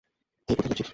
হেই, কোথায় যাচ্ছিস?